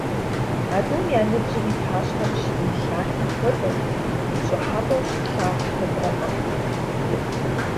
А тӏум я ныбжьыр и пащхьэм щызелъатэ хуэдэу, пщӏыхьэпӏэу щилъагъу куэдрэ къэхъурт.